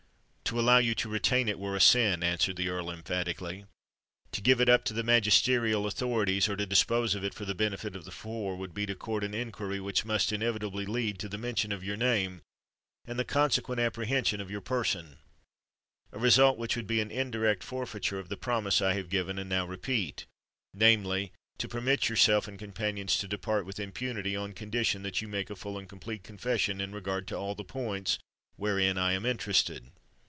"To allow you to retain it, were a sin," answered the Earl emphatically: "to give it up to the magisterial authorities, or to dispose of it for the benefit of the poor, would be to court an inquiry which must inevitably lead to the mention of your name and the consequent apprehension of your person—a result which would be an indirect forfeiture of the promise I have given and now repeat: namely, to permit yourself and companions to depart with impunity on condition that you make a full and complete confession in regard to all the points wherein I am interested.